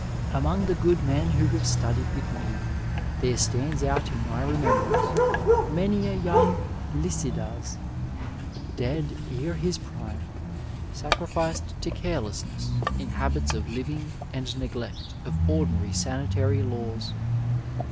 Among the good men who have stodied with me there stands out in my remembrance many a }^ung Lycidas, '^ dead ere his prime/^ sacrifioed to earelessness in habits of living and neglect of ordinary sanitary ^ws.